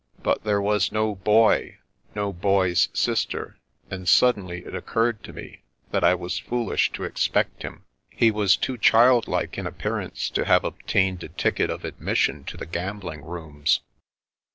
But there was no Boy, no Boy's sister; and suddenly it occurred to me that I was foolish to expect him. He was too childlike in appearance to have obtained a ticket of admission to the gambling rooms.